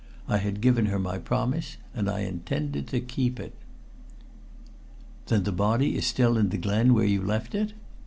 I had given her my promise, and I intended to keep it. "Then the body is still in the glen, where you left it?"